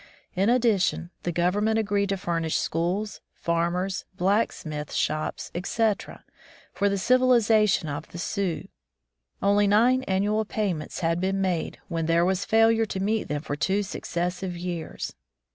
In addition, the Government agreed to furnish schools, farmers, black smith shops, etc. for the civilization of the Sioux. Only nine annual payments had been made when there was failure to meet them for two successive years.